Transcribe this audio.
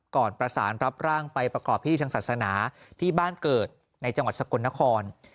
ก่อนประสานรับร่างไปประกอบพิธีทางศาสนาที่บ้านเกิดในจังหวัดสกลนคร